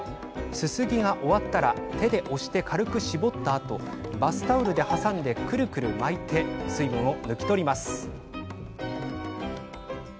すすぎが終わったら手で押して軽く絞ったあとバスタオルで挟んでくるくる巻き水分を抜き取ります。